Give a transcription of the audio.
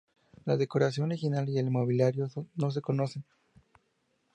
La decoración original y el mobiliario no se conocen.